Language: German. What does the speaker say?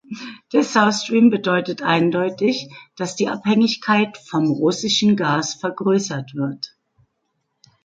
Der South Stream bedeutet eindeutig, dass die Abhängigkeit vom russischen Gas vergrößert wird.